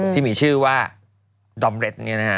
ที่มีชื่อว่าดอมเร็ด